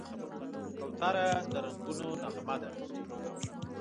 کوتره د رنګونو نغمه ده.